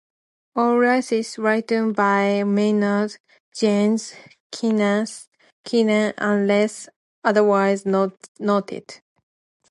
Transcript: All lyrics written by Maynard James Keenan, unless otherwise noted.